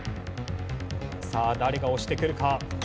さあ誰が押してくるか。